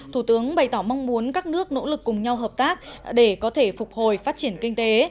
thủ tướng bày tỏ mong muốn các nước nỗ lực cùng nhau hợp tác để có thể phục hồi phát triển kinh tế